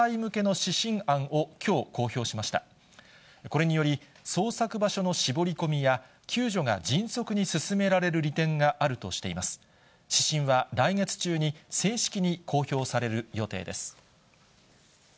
指針は来月中に正式に公表される予定です。